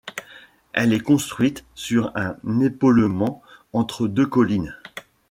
Elle est construite sur un épaulement entre deux collines.